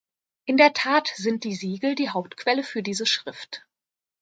In der Tat sind die Siegel die Hauptquelle für diese Schrift.